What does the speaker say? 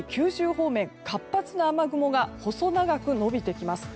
方面活発な雨雲が細長く伸びてきます。